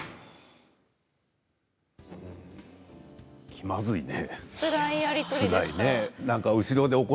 気まずいね。